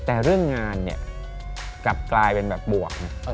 แต่เรื่องงานเนี่ยกลับกลายเป็นแบบบวก